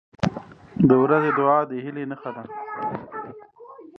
• د ورځې دعا د هیلې نښه ده.